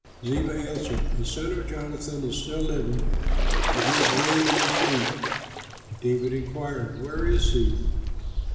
Ziba answered, "A son of Jonathan is still living, but he is lame in his feet." David inquired, "Where is he?"